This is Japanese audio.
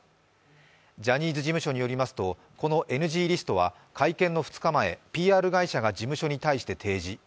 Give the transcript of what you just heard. ジャニーズ事務所によりますとこのＮＧリストは会見の２日前、ＰＲ会社が事務所に対して提示